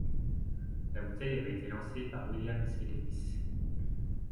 La bouteille avait été lancée par William C Lewis.